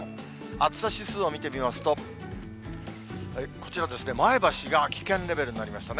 暑さ指数を見てみますと、こちら、前橋が危険レベルになりましたね。